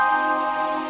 lalu mencari kakak